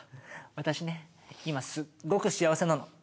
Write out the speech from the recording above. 私ね今すごく幸せなの。